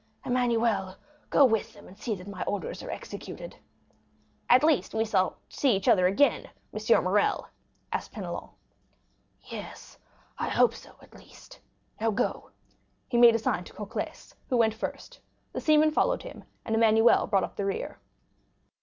Emmanuel, go with them, and see that my orders are executed." "At least, we shall see each other again, M. Morrel?" asked Penelon. "Yes; I hope so, at least. Now go." He made a sign to Cocles, who went first; the seamen followed him and Emmanuel brought up the rear.